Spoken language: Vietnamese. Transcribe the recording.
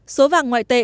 số vàng ngoại tệ